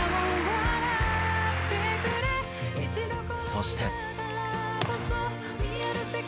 そして。